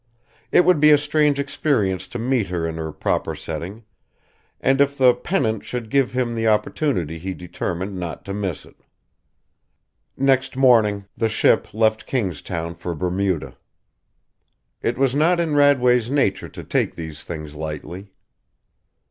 It would be a strange experience to meet her in her proper setting, and if the Pennant should give him the opportunity he determined not to miss it. Next morning the ship left Kingstown for Bermuda. It was not in Radway's nature to take these things lightly.